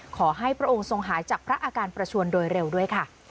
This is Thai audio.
พระองค์ทรงหายจากพระอาการประชวนโดยเร็วด้วยค่ะ